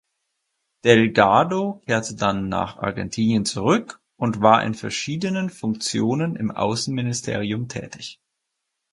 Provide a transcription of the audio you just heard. Delgado kehrte dann nach Argentinien zurück und war in verschiedenen Funktionen im Außenministerium tätig.